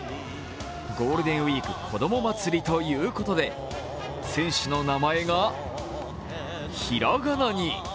ゴールデンウイークこどもまつりということで選手の名前が、平仮名に。